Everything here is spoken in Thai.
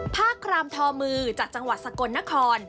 ผ้าครามทอมือจากจังหวัดสกลนคร